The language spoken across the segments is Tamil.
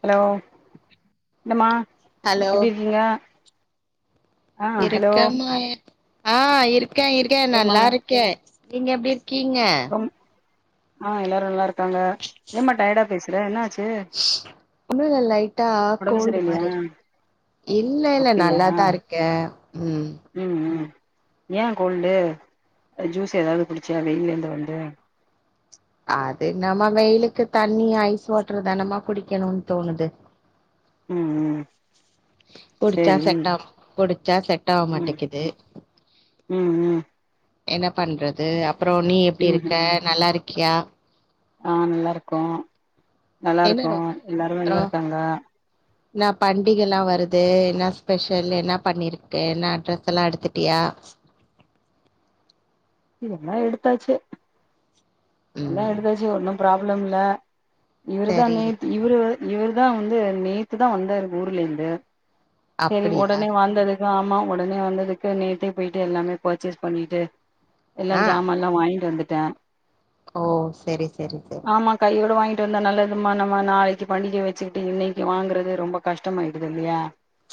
ஹலோ என்னம்மா ஹலோ எப்டி இருக்கீங்க ஆ ஹலோ இருக்கேன்மா ஏன் ஆ இருக்கேன் இருக் இருக்கேன் ஏம்மா நல்லா இருக்கேன் நீங்க எப்டி இருக்கீங்க ரொம் ஆ எல்லாரு நல்லா இருக்காங்க ஏமா டயடா பேசுறே என்ன ஆச்சு ஒன்னுயில்லை லைட்டா ஒடம்பு கோல்டு சரியில்லையா மாரி இருக் இல்ல இல்ல அப்டியா நல்லாதா இருக்கேன் ம் ம் ம் ஏன் கோல்டு ஜூஸ் ஏதாவது குடிச்சியா வெயிலேருந்து வந்து அது என்னமோ வெயிலுக்கு தண்ணி ஐஸ் வாட்டரு தானமா குடிக்கணும்னு தோணுது ம் ம் குடிச்சா சேரி ம் செட்டாகும் குடிச்சா செட் ஆக மாட்டுங்குது ம் ம் என்ன பண்றது அப்புரோ நீ எப்டி ம் இருக்க ம் நல்லா இருக்கியா ஆ நல்லா இருக்கோ நல்லா என்ன இருக்கோ ரோ எல்லாருமே நல்லா இருக்காங்க ன்னா பண்டிகைலா வருது என்ன ஸ்பெஷல் என்ன பண்ணியிருக்க என்னா ட்ரெஸ் எல்லா எடுத்துட்டியா எல்லா எடுத்தாச்சு எல்லா ம் எடுத்தாச்சு ஒன்னு ப்ராப்ளம் இல்ல இவரு தா சரி நேத்து இவரு இவரு தா வந்து நேத்துதா வந்தாரு ஊர்ல இருந்து செரி அப்படியா ஒடனே வந்ததுக்கு ஆமா ஒடனே வந்ததுக்கு நேத்தே போயிட்டு எல்லாமே பர்ச்சேஸ் பண்ணிட்டு எல்லா ஆ ஜாமான்லா வாய்ன்ட்டு வந்துட்டேன் ஓ செரி செரி செரி கையோட வாங்கிட்டு வந்தா நல்லது மா நம்ம நாளைக்கு பண்டிகை வச்சுக்கிட்டு இன்னைக்கு வாங்கறது ரொம்ப கஷ்டமாயிடுது இல்லையா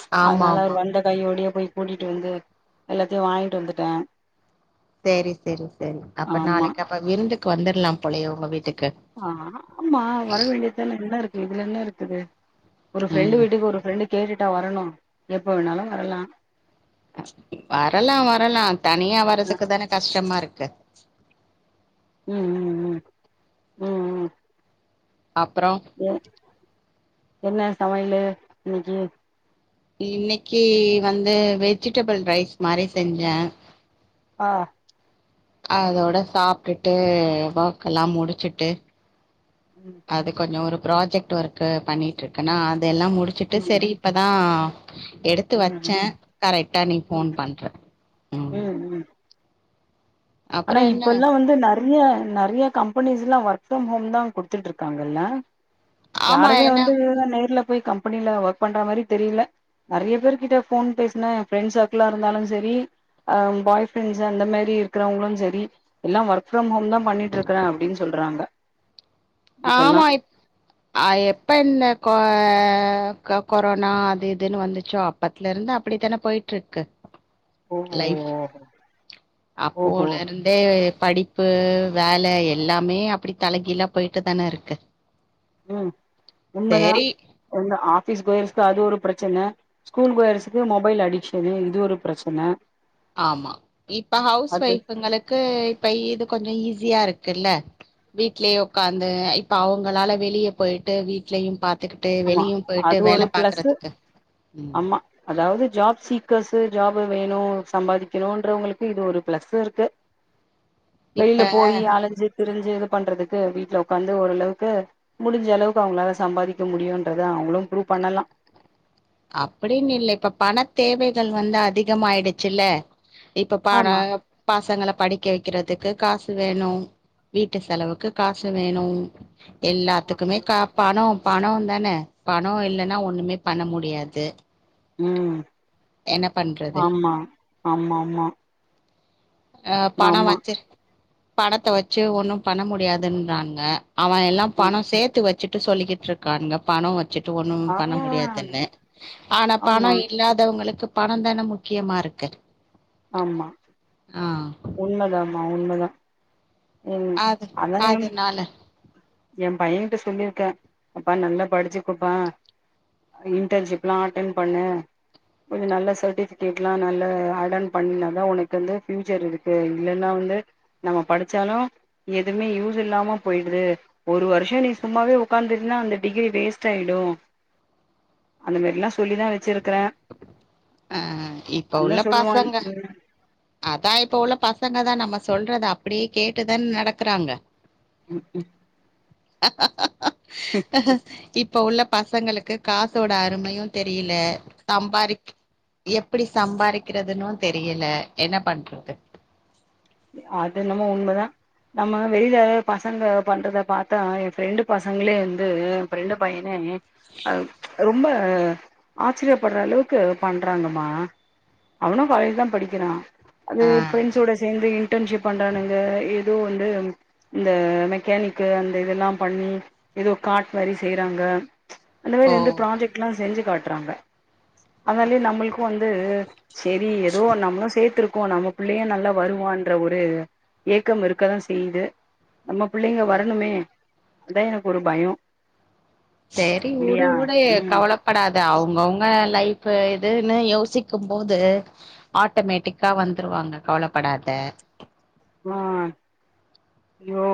ச்சு ஆமா அதனால ஆமா அவர் வந்த கையோடயே போய் கூட்டிட்டு வந்து எல்லாத்தையு வாங்கிட்டு வந்துட்டேன் செரி செரி செரி அப்ப ஆமா நாளைக்கு அப்ப விருந்துக்கு வந்துரலா போலேயே உங்க வீட்டுக்கு ஆ ஆ அம்மா வர வேண்டியதானே என்ன இருக்குது இதுல என்ன இருக்குது ஒரு ஃப்ரெண்டு ம் வீட்டுக்கு ஒரு ஃப்ரெண்டு கேட்டுட்டா வரணு எப்ப வேணாலு வரலா வரலா வரலா தனியா அ வரதுக்கு தானே கஷ்டமா இருக்கு ம் ம் ம் ம் ம் அப்றோ எ என்ன சமையலு இன்னைக்கி இன்னைக்கி வந்து வெஜிடபிள் ரைஸ் மாரி செஞ்சே ஆ அதோட சாப்டுட்டு வாக்ல்லா முடிச்சுட்டு ம் அது கொஞ்சோ ஒரு ப்ராஜெக்ட் ஒர்க்க்கு பண்ணிட்டு இருக்கனா அதெல்லா முடிச்சுட்டு ம் சரி இப்பதா எடுத்து ம் வச்சே கரெக்டா நீ ஃபோன் பன்ற ம் அப்புறோ ஆனா என்ன இப்பெல்லா வந்து நெறைய நெறைய கம்பெனிஸ்லா ஒர்க் ஃப்ரம் ஹோம் தா குடுத்துட்ருக்காங்கல்ல ஆமா யாருமே என்ன வந்து இதுதா நேர்ல போயி கம்பெனில ஒர்க் பண்ற மாரி தெரில நெறைய பேர் கிட்ட போன் பேசுன எ ஃப்ரெண்ட் சர்க்லா இருந்தாலு சரி அ பாய் ஃப்ரெண்ட்ஸ் அந்த மாரி இருக் றவ்ங்ளும் சரி எல்லா ஒர்க் ஃபிரம் ஹோம் தா பண்ணிட்டு இருக்றே அப்டின் சொல்றாங்க இப்பல்லா ஆமா இப் அ எப்ப இந்த கொ கொரோனா அது இதுனு வந்துச்சோ அப் அப்பத்துல இருந்து அப்டித்தானே போயிட்ருக்கு ஓஹோ லைஃப் ஓஹோ அப்போலருந் ந்தே படிப்பு, வேல எல்லாமே அப்டி தலகிழா போயிட்டு தான இருக்கு ம் உண்மதா சேரி ஒன்னு ஆஃபிஸ் கோயர்ஸ்க் அது ஒரு பிரச்சன ஸ்கூல் கோயர்ஸ்க்கு மொபைல் அடிக்ஷனு இது ஒரு பிரச்சன ஆமா இப்ப ஹவுஸ் அது ஒய்ஃப்ங்களுக்கு இப்ப இது கொஞ்சோ ஈஸியா இருக்குல்ல வீட்லேயே உட்காந்து இப்ப அவுங்களால வெளிய போயிட்டு வீட்லயும் பாத் துக்கிட்டு ஆமா வெளியும் போயிட்டு அது வேல பாக்கறத்துக்கு அதாவ்து ஜாப் சீக்கர்ஸ்சு ஜாப்பு வேணு சம்பாதிக்கணூன்றவ்ங்களுக்கு இது ஒரு பிளஸ்சு இருக்கு வெளில இப்ப போயி அலைஞ்சு திரிஞ்சு இது பண்றதுக்கு வீட்ல ஒட்காந்து ஓரளவுக்கு முடிஞ்ச அளவுக்கு அவங்ளால சம்பாதிக் க முடியுன்றத அவங்ளு ப்ரூ பண்ணலா அப்டின்னு இல்ல இப்ப பணத் தேவைகள் வந்து அதிகமாயிடுச்சுல இப்ப பாட ஆமா பசங்கள படிக்க வைக்கிறதுக்கு காசு வேணு வீட்டு செலவுக்கு காசு வேணு எல்லாத்துக்குமே கா பணொ பணொ தானே பணொ இல்லைன்னா ஒண்ணுமே பண்ண மு டியாது ம் பண்றது ஆம்மா ஆமாம்மா அ பணோ வச்சிர் பணத்த வச்சு ஒன்னு பண்ண முடியாதுன்றான்ங்க அவ எல்லா ம் பணோ சேத்து வச்சுட்டு சொல்லிக்கிட்டு இருக்கான்ங்க பணம் வ ச்சிட்டு ஒண்ணும் ஆ பண்ண முடியாதுன்னு ஆனா பணோ ஆமா இல்லாதவங்களுக்கு பணந் தான முக்கியமா இருக்கு ஆம்மா ஆ உண்மதாமா உண்மதா ம் அது அதாயம் அதனால எம் பையன்ட்ட சொல்லிருக்கே அப்பா நல்லா படுச்சுகொப்பா இன்டர்ன்ஷிப்லா அட்டன் பண்ணு கொஞ்சோ நல்லா சர்டிஃபிகேட்லா நல்ல அடன் பண்ணாதா உனக்கு வந்து ஃபியூச்சர் இருக்கு இல்லன்னா வந்து நம்ம படிச்சாலு எதுமே யூஸ் இல்லாம போயிடுது ஒரு வருஷோ நீ சும்மாவே உக்காந்தின்னா அந்த டிகிரி வேஸ்ட் ஆயிடு அந்த மாரிலா சொல்லிதா வெச்சிருக்குற அ இப்ப உள்ள பசங்க ம் அதா இப்ப உள்ள பசங்க தா நம்ம சொல்றத அப்டியே கேட்டுதானே நடக்குறாங்க ஹு ம் இப் ப்ப உள்ள பசங்களுக்கு காசோட அருமையு தெரியில சம்பாரிக் எப்பிடி சம்பாரிக்கிறதுன்னு தெரியல என்ன பண்றது அதென்னமோ உண்மதா நம்ம வெளில பசங்க பண்றத பாத்தா என் ஃப்ரெண்டு பசங்ளே வந்து ஃப்ரெண்டு பையனே அ ரொம்ப ஆச்சிரியப்பட்ற அளவுக்கு பண்றாங்கமா அவனு காலேஜ்தா படிக்கிறா அது ஆ ஃப்ரெண்ஸோட சேந்து து இன்டர்ன்ஷிப் பண்றானுங்க எதோ வந்து இந்த மெக்கானிக்கு அந்த இதெல்லா பண்ணி எதோ காட் மாரி செய்றாங்க அதவே ஓ நிண்டு ப்ராஜெக்ட்லா செஞ்சு காட்றாங்க அதனாலே நம்முள்க்கு வந்து செரி ஏதோ நம்ளு சேத்துருக்கோ நம்ம புள்ளயு நல்லா வரு வான்ற ஒரு ஏக்கம் இருக்கதா செய்து நம்ம பிள்ளைங்க வரணுமே அதா எனக்கு ஒரு பயோ சேரி உடு இல்லையா உடு ம் கவலப் படாத அவ்ங்கவுங்க லைஃபு இதுன்னு யோசிக்கும் போது ஆட்டோமேட்டிக்கா வந்துருவாங்க கவலப்படாத மா யோ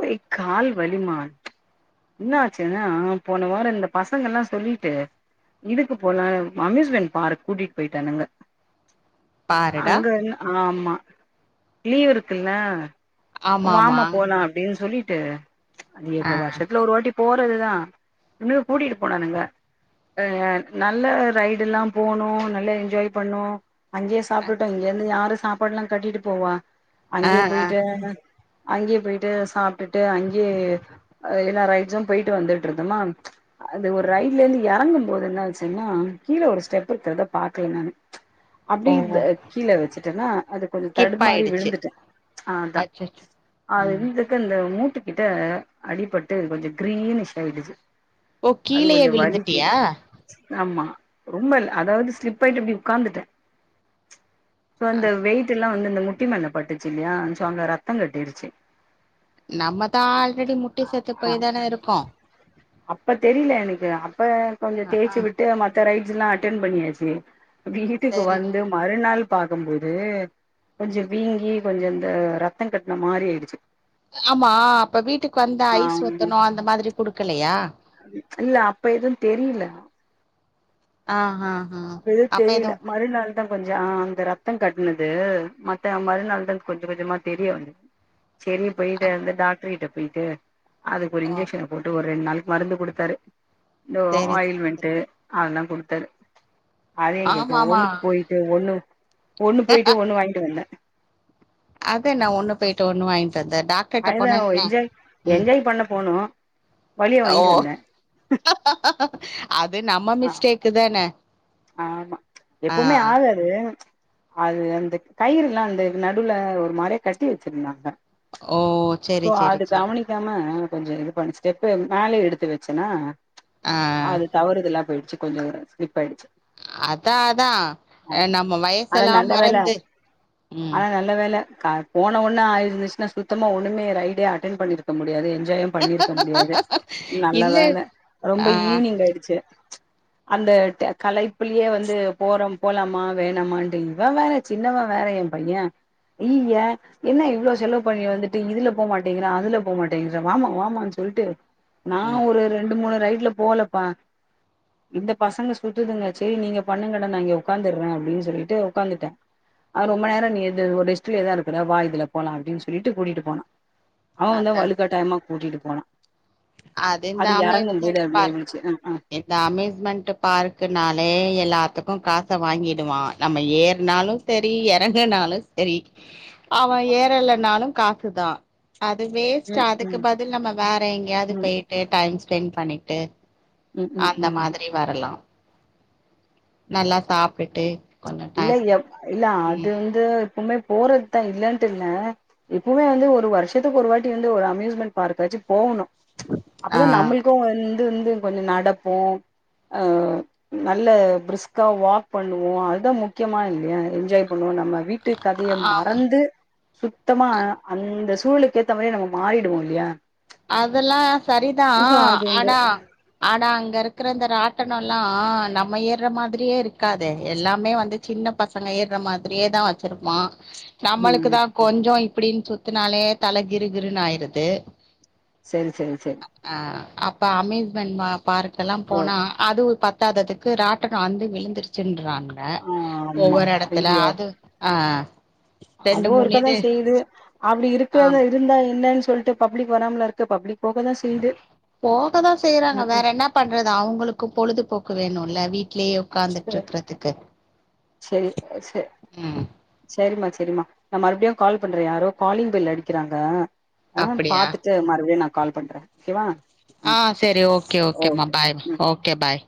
ஒரே கால் வலிமா என்னாச்சுனா போன வாரோ இந்த பசங்கெல்லா சொல்லீட்டு இதுக்கு போலம் அம்யூஸ்மெண்ட் பார்க் கூட்டிட்டு போய்ட்டானுங்க பாருடா ஹங்கன் ஆமா லீவ் இருக்குல்ல ஆமா ஆமா வாமா போலா அப்டின்னு சொல்லிட்டு இது ஆ இப்ப வருஷத்துல ஒரு வாட்டி போறதுதா ன்னு கூட்டிட்டு போனானுங்க ஆ நல்ல ரைடுலா போனு நல்லா என்ஜாய் பண்ணு அங்கே சாப்டுட்டோ இங்கிருந்து யாரு சாப்பாடுலா கட்டிட்டு போவா ஆ அங்கே ஆ போய்ட்டு அங்கே போய்ட்டு சாப்டுட்டு அங்கே எல்லா ரைட்ஸு போய்ட்டு வந்துட்டுருந்தமா அது ஒரு ரைட்ல இருந்து எறங்கும் போது என்னாச்சுன்னா கீழ ஒரு ஸ்டெப் இருக்றத பாக்ல நானு து அப்டி ஓ இந்த கீழ வெச்சுட்டனா அது கொஞ்சோ ஸ்கிப் தடுமாறி ஆயிடுச்சு விழுந்துட் டு ஆ அதா அச்சச்சோ அது ம் வீட்ல கு இந்த மூட்டு கிட்ட அடிபட்டு கொஞ்ச கிரீனிஷ் ஆயிடுச்சு ஓ அது கீழயே கொஞ்சோ வலிக்குது விழுந்துட்டியா ஆமா ரொம்ப இல் அதாவது ஸ்லிப் ஆயிட்டு அப்டி உக்காந்துட்டே சோ இந்த வெயிட் எல்லா வந்து இந்த முட்டி மேல பட்டுச்சு இல்லயா சோ அங்க ரத்தங் கட்டிருச்சு நம்மதா ஆல்ரெடி முட்டி செத்து ஆ போய் தானே இருக்கோ அப்ப தெரியல எனக்கு அப்ப கொஞ்சோ ஆ ஆ தேய்ச்சு விட்டு மத்த ரைட்ஸ் எல்லா அட்டென் பண்ணியாச்சு வீட்டுக்கு சரி வந்து மறுநாள் பாக்கம்போது கொஞ்ச வீங்கி கொஞ்ச இந்த ரத்த கட்ன மாறி ஆயிடுச்சு ஆமா அப்ப வீட்டுக்கு வந்தா ஆ ஐஸ் ஒத்தடோ அந்த மாரி குடுக்கலையா இல்ல அப்ப எதுன் தெரில அ ஹா அப்ப எது தெரில மறுநாள் ரத்தோ கொஞ்சோ அந்த ரத்தோ கட்னது மத்த மறுநாள் தா கொஞ்ச கொஞ்சமா தெரிய வந்தது செரி போயிட்டு வந்து டாக்டர் கிட்ட போயிட்டு அதுக்கு ஒரு ஓ இன்ஜெக்ஷன போட்டு ஒரு ரெண்டு நாளுக் மருந்து குடுத்தாரு இந்த சரி ஆயில் சரி சரி மென்ட்டு அதல்லா குடுத்தரு அத ஏங்கேக்ற ஆமா ஆமா ஒண்ணுக்கு போயிட்டு ஒண்ணு ஒண்ணு போயிட்டு ஒண்ணு வாங்கிட்டு வந்த அதா நா ஒண்ணு போய்ட்டு ஒண்ணு வாயின்ட்டு வந்த டாக் அதுதா ஒ என்ஜாய் என்ஜாய் பண்ண போனோ வலிய ஓ வாங்கிட்டு வந்த அது நம்ம ஆ மிஸ்டேக்கு தானே ஆமா எப்பமே ஆள் அது அந்த கயிறுல்லா அந்த நடுல ஒரு மாரியே கட்டி வச்சிருந்தாங்க ஓ சோ சரி சரி அது சரி கவனி நிக்காம கொஞ்சோ இது பண்ணி ஸ்டெப்பு மேல எடுத்து வச்சன்னா ஆ அது தவறுதலா போயிடுச்சு கொஞ்சோ ஸ்லிப் ஆயிடுச்சு அதா அதா நம்ம வயசு ஆனா எல்லா நல்ல வேல மறந்து உம் ஆனா நல்ல வேல கார் போன ஒன்னே ஆயிருந்துச்சுன்னா சுத்தமா ஒண்ணுமே ரைடே அட்டன் பண்ணிருக்க முடியாது என்ஜாயு பண்ணிருக்க முடியாது நல்ல இல்ல வேல ரொம்ப ஆ ஈவினிங் ஆயிடுச்சு அந்த ட கலை ப்புள்ளியே வந்து போறோம் போலாமா வேணாமான்ட்டு இவன் வேற சின்னவன் வேற என் பையன் அயிய என்ன இவ்ள செலவு பண்ணி வந்துட்டு இதுல போ மாட்டேங்கற அதுல போ மாட்டேங்கற வாம வாமான்னு சொல்டு நா ம் ஒரு ரெண்டு மூணு ரைட்ல போலப்பா இந்த பசங்க சுத்துதுங்க செரி நீங்க பண்ணுங்கடா நா இங்க ஒக்காந்துற அப்டின்னு சொல்லிட்டு ஒக்காந்துட்ட அது ரொம்ப நேரோ நீங்க எது ஒரு ரெஸ்ட்லே தா இருக்கறா வா இதுல போலா அப்டின்னு சொல்லிட்டு கூடிட்டு போனா அவன் வந்த அதா வலுக்கட்டாயமா கூடிட்டு போனா இந்த அது இறங்கு போது அம்யூஸ்மெண்ட் அப்டியே பார்க் இந்துச்சு அ அ இந்த அம்யூஸ்மெண்ட்டு பார்க்குனாலே எல்லாத்துக்கு காச வாங்கிடுவா நம்ம ஏர்னாலு செரி இறங்கனாலு செரி அவன் ஏறலனாலு காசுதா அது வேஸ்டு ம் அதுக்கு ம் பதில் நம்ம வேற எங்கேயாது ம் போயிட்டு டைம் ஸ்பெண்ட் பண்ணிட்டு ம் ம் அந்த ம் மாதிரி வரலா நல்லா சாப்டுட்டு இல்ல எப் இல்ல அது வந்து எப்புமே போறது தா இல்லன்ட்டு இல்ல எப்புமே வந்து ஒரு வருஷத்துக்கு ஒரு வாட்டி வந்து ஒரு அம்யூஸ்மெண்டட் பார்க்காச்சு போகணு ஆ அப்பதா நம்மளுக்கு வந்து வந்து கொஞ்சோ நடப்போ அ நல்ல பிரிஸ்க்கா வாக் பண்ணுவோ அது அதா முக்கியமா இல்லையா என்ஜாய் பண்ணுவோ நம்ம வீட்டு கதைய ஆமா மறந்து சுத்தமா அந்த சூலுக்கு ஏத்த மாறி நம்ம மாறிடுவோ இல்யா அதெல்லா சரிதா அது வந்து ஆனா ஆனா அங்க இருக்கற இந்த ராட்டினோல்லா நம்ம ஏற மாதிரியே இருக்காதே எல்லாமே வந்து சின்ன பசங்க எர்ற மாதிரியேதா வச்சிருப்பா நம்மளுக்கு ம் தா கொஞ்சோ இப்டின்னு சுத்துனாலே தல கிருகிருன்னு ஆயிருது செரி செரி செரி அ அப்ப அம்யூஸ்மெண்ட் பார்க் எல்லா ஓ போனா அதுவு பத்தாததுக்கு ராட்டனோ அருந்து விழுந்திருச்சுன்றாங்க அ ஆமா ஒவ்வொரு எடத்துல அது ஆ ரெண்டு அதுவும் மூணு இருக்கதா இது செய்யுது அப்படி இருக்கிறத ஆம் இருந்தா என்னன்னு சொல்ட்டு பப்ளிக் வராமலா இருக்கு பப்ளிக் போகதா செய்யுது போகதா செய்யுறாங்க ம் வேற ம் என்னப் பண்றது அவுங்களுக்கும் பொழுதுபோக்கு வேணும்ல்ல வீட்லயே உக்காந்துட்டு செரி இருக்கறதுக்கு உம் சரிமா சரிமா நா மறுபடியும் கால் பண்றேன் யாரோ காலிங் பெல் அடிக்கிறாங்க அ அப்படியா பாத்துட்டு மறுபடியும் நா கால் பண்றேன் ஓகேவா ஆ ம் சரி ஓகே ஓகேம்மா ஓகே பாய் ம் ஓகே பாய்